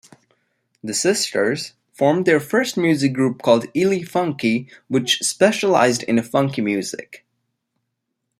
The sisters formed their first music group called Elefunky, which specialized in funky music.